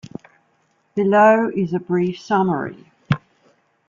Below is a brief summary.